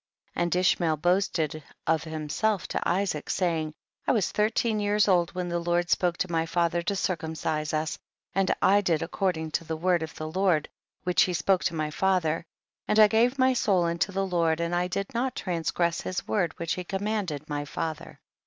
42. And Ishmael boasted of him self to Isaac, saying, I was thirteen years old when the Lord spoke to my father to circumcise us, and I did according to the word of the Lord which he spoke to my father, and T gave my soul unto the Lord, and I did not transgress his word whick he commanded my father. THE BOOK OF JASHER.